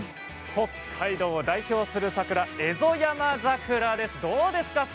北海道を代表する桜エゾヤマザクラです。